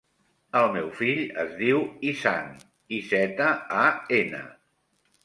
El meu fill es diu Izan: i, zeta, a, ena.